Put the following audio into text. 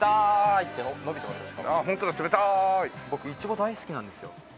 僕苺大好きなんですよ。